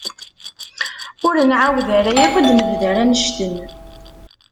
Ur nεawed ara yakk ad d-nebder annect-en.